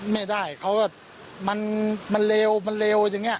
ไม่ได้เขาว่ามันเลวอย่างนี้